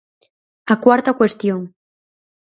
A cuarta cuestión.